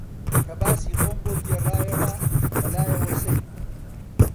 کە باسی خۆم بۆ گێڕایەوە، بە لایەوە سەیر بوو